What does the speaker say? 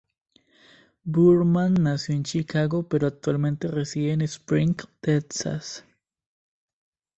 Boorman nació en Chicago pero actualmente reside en Spring, Texas.